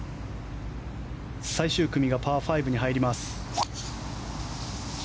最終組がパー５に入ります。